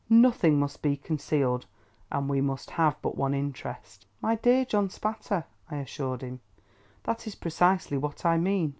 Nothing must be concealed, and we must have but one interest." "My dear John Spatter," I assured him, "that is precisely what I mean."